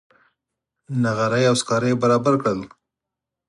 نغرۍ او سکاره یې برابر کړل.